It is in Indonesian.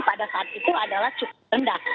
pada saat itu adalah cukup rendah